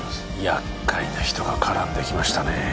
やっかいな人が絡んできましたね